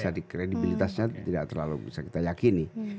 bisa di kredibilitasnya tidak terlalu bisa kita yakini